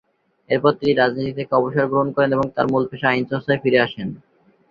এরপর তিনি রাজনীতি থেকে অবসর গ্রহণ করেন এবং তার মূল পেশা আইন চর্চায় ফিরে আসেন।